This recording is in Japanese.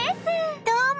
どうも。